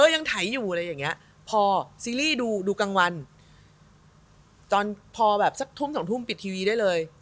ยังไถอยู่อะไรอย่างเงี้ย